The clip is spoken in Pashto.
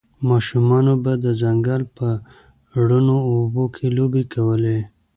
ماشومانو به د ځنګل په روڼو اوبو کې لوبې کولې